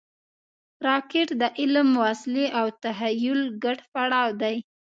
راکټ د علم، وسلې او تخیل ګډ پړاو دی